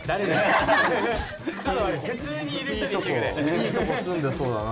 いいとこ住んでそうだな